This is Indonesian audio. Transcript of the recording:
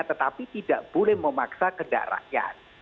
tetapi tidak boleh memaksa kendak rakyat